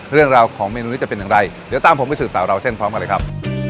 เรื่องราวของเมนูนี้จะเป็นอย่างไรเดี๋ยวตามผมไปสืบสาวราวเส้นพร้อมกันเลยครับ